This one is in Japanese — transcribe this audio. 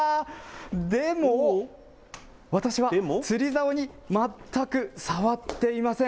でも私は釣りざおに全く触っていません。